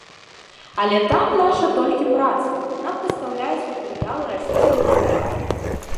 Але там наша толькі праца, нам пастаўляюць матэрыялы расійскія брэнды.